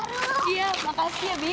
makasih makasih bibi